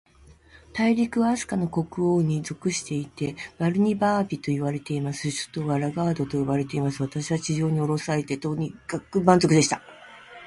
大陸は、飛島の国王に属していて、バルニバービといわれています。首府はラガードと呼ばれています。私は地上におろされて、とにかく満足でした。